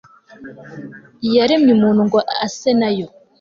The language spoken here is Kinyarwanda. iyaremye muntu ngo ase na yo